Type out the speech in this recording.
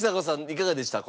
いかがでした？